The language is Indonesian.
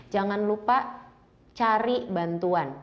jangan lupa cari bantuan